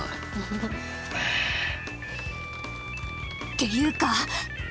っていうか